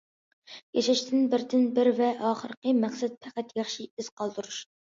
ياشاشتىن بىردىن بىر ۋە ئاخىرقى مەقسەت پەقەت ياخشى ئىز قالدۇرۇش.